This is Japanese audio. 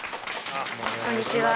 こんにちは。